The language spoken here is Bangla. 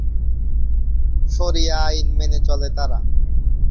শরিয়া আইন মেনে চলে তারা।।